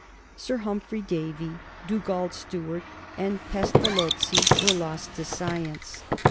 Sir Humphry Davy, Dugald Stewart, and Pestalozzi were lost to science.